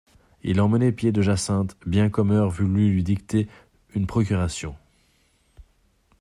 Ils emmenaient Pied-de-Jacinthe, bien qu'Omer voulût lui dicter une procuration.